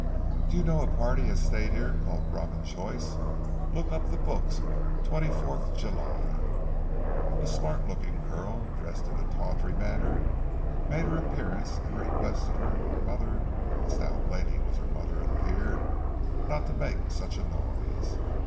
Do you know a party as stayed here called Robin Joyce? Look up the books twenty fourth July." A smart looking girl dressed in a tawdry manner made her appearance and requested her mother (the stout lady was her mother it appeared) not to make such a noise.